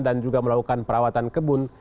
dan juga melakukan perawatan kebun